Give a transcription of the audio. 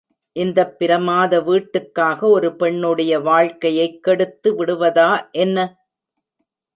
இந்தப் பிரமாத வீட்டுக்காக ஒரு பெண்னுடைய வாழ்க்கையைக் கெடுத்து விடுவதா என்ன?